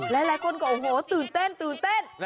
แล้วหลายคนก็โอ้โหตื่นเต้น